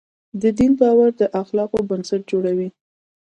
د دین باور د اخلاقو بنسټ جوړوي.